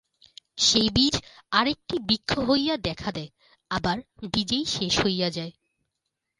সেই বীজ আর একটি বৃক্ষ হইয়া দেখা দেয়, আবার বীজেই শেষ হইয়া যায়।